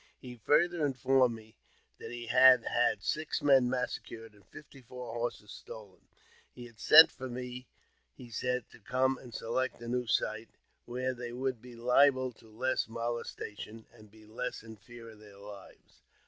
He further informed me that he had had six men massacred and fifty four horses stolen. He had sent for me, he said, to come and select a new site, where they would be liable to less molestation, and be less in fear of their lives.